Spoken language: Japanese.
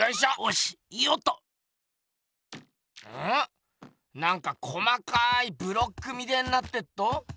なんか細かいブロックみてえになってっど。